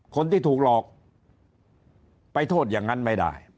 คนที่ถูกหลอกไปโทษอย่างนั้นไม่ได้